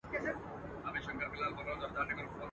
سترګي سرې غټه سینه ببر برېتونه.